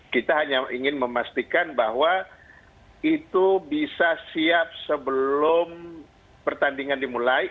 kita hanya ingin memastikan bahwa itu bisa siap sebelum pertandingan dimulai